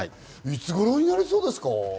いつごろになりそうですか？